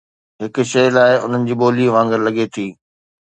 هڪ شيء لاء، انهن جي ٻولي وانگر لڳي ٿي.